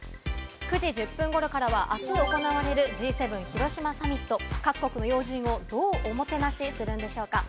９時１０分頃からは明日から行われるＧ７広島サミット、各国の要人をどうおもてなしするのか？